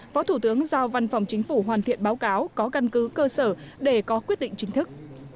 phó thủ tướng giao văn phòng chính phủ hoàn thiện báo cáo có căn cứ cơ sở để có quyết định chính thức